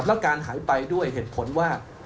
แล้วการหายไปด้วยเหตุผลว่า